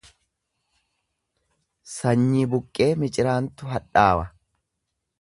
Sanyii buqqee miciraantu hadhaawa.